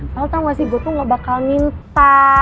lo tau gak sih gue tuh gak bakal minta